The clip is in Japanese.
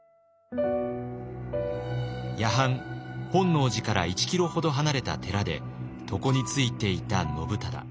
夜半本能寺から１キロほど離れた寺で床に就いていた信忠。